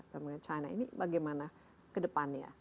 dan china ini bagaimana ke depannya